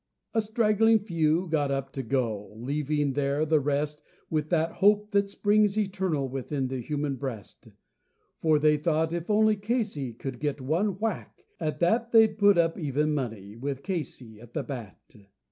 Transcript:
A straggling few got up to go, leaving there the rest, With that hope which springs eternal within the human breast, For they thought: "If only Casey could get a whack at that," They'd put up even money now, with Casey at the bat.